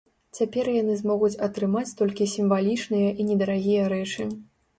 Цяпер яны змогуць атрымаць толькі сімвалічныя і недарагія рэчы.